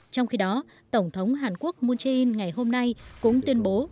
trong khi đó tổng thống hàn quốc moon jae in ngày hôm nay cũng tuyên bố